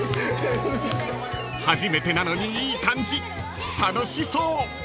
［初めてなのにいい感じ楽しそう］